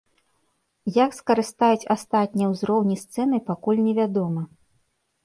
Як скарыстаюць астатнія ўзроўні сцэны пакуль невядома.